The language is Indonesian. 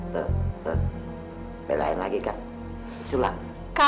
tuh belain lagi kan sulam